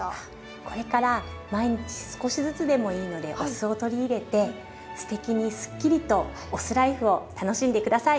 これから毎日少しずつでもいいのでお酢を取り入れて“酢テキ”にスッキリとお酢ライフを楽しんで下さい。